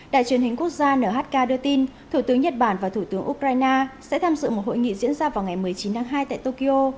đài truyền hình quốc gia nhk đưa tin thủ tướng nhật bản và thủ tướng ukraine sẽ tham dự một hội nghị diễn ra vào ngày một mươi chín tháng hai tại tokyo